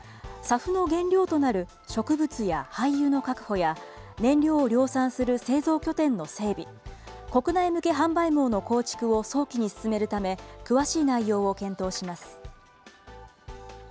ＳＡＦの原料となる植物や廃油の確保や、燃料を量産する製造拠点の整備、国内向け販売網の構築を早期に進めるため、詳しい内容を検討します。